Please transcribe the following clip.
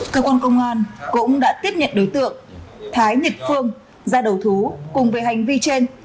cơ quan công an cũng đã tiếp nhận đối tượng thái nhật phương ra đầu thú cùng về hành vi trên